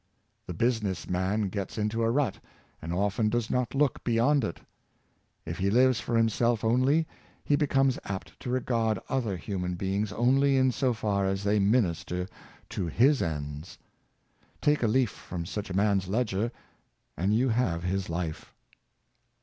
The business man gets into a rut, and often does not look beyond it. If he lives for himself only, he becomes apt to regard 396 True Respeciahility , other human beings only in so far as they minister to his ends. Take a leaf from such a man's ledger and 3^ou have his life.